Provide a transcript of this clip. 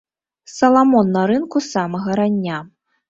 Саламон на рынку з самага рання.